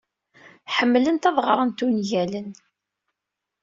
Ḥemmlent ad ɣrent ungalen.